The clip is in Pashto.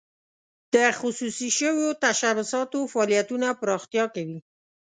د خصوصي شوو تشبثاتو فعالیتونه پراختیا کوي.